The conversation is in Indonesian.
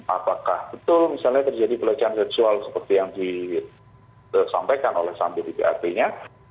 apakah betul misalnya terjadi pelecehan seksual seperti yang disampaikan oleh sambo di bap nya